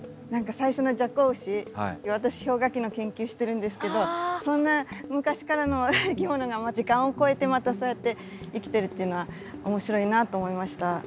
何か最初のジャコウウシ私氷河期の研究してるんですけどそんな昔からの生き物が時間を超えてまたそうやって生きてるっていうのは面白いなと思いました。